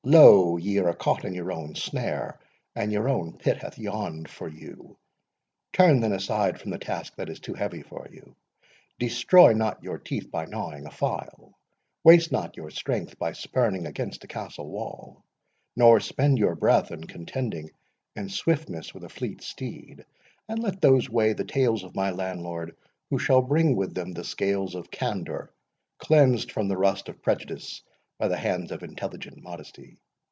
Lo! ye are caught in your own snare, and your own pit hath yawned for you. Turn, then, aside from the task that is too heavy for you; destroy not your teeth by gnawing a file; waste not your strength by spurning against a castle wall; nor spend your breath in contending in swiftness with a fleet steed; and let those weigh the Tales of my Landlord, who shall bring with them the scales of candour cleansed from the rust of prejudice by the hands of intelligent modesty.